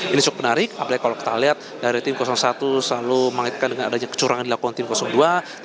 ini cukup menarik apalagi kalau kita lihat dari tim satu selalu mengaitkan dengan adanya kecurangan dilakukan tim dua